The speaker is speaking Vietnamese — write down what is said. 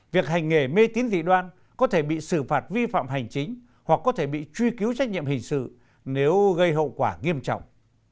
việc hành nghề mê tín dị đoan có thể bị xử phạt vi phạm hành chính hoặc có thể bị truy cứu trách nhiệm hình sự nếu gây hậu quả nghiêm trọng